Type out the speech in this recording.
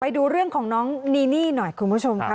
ไปดูเรื่องของน้องนีนี่หน่อยคุณผู้ชมค่ะ